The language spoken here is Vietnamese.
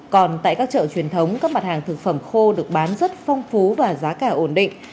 còn tại các chợ truyền thống các mặt hàng thực phẩm khô được bán rất phong phú và giá cả ổn định